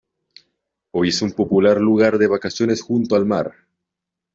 Hoy es un popular lugar de vacaciones junto al mar.